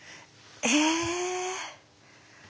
え。